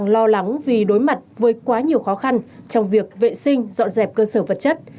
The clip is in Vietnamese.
lo lắng vì đối mặt với quá nhiều khó khăn trong việc vệ sinh dọn dẹp cơ sở vật chất